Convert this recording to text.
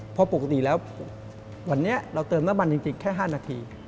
เพราะปกติแล้ววันนี้เราเติมน้ำมันจริงแค่๕นาที